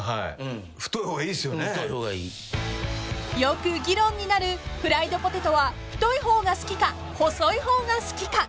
［よく議論になるフライドポテトは太い方が好きか細い方が好きか］